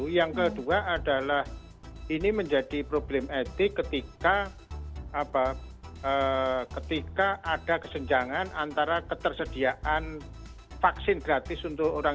yang kedua adalah ini menjadi problem etik ketika ada kesenjangan antara ketersediaan vaksin gratis untuk orang